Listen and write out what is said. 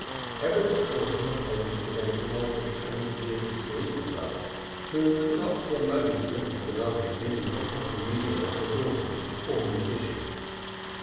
Every precaution was taken to prevent a knowledge of it coming to the ears of Therese's mother, who would not for a moment have listened to an argument leading to a possible union of her daughter with the poor musician.